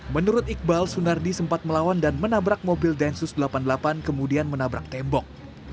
menurut iqbal sunardi sempat melawan dan menabrak mobil densus delapan puluh delapan kemudian menabrak tembok